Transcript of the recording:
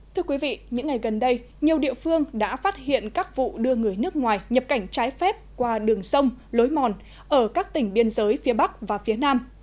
thưa quý vị những ngày gần đây nhiều địa phương đã phát hiện các vụ đưa người nước ngoài nhập cảnh trái phép qua đường sông lối mòn ở các tỉnh biên giới phía bắc và phía nam